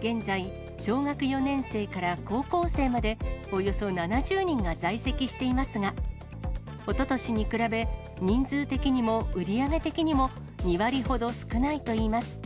現在、小学４年生から高校生まで、およそ７０人が在籍していますが、おととしに比べ、人数的にも売り上げ的にも、２割ほど少ないといいます。